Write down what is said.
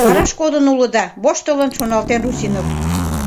«Вараш кодын улыда», — воштылын шоналтен Русинов.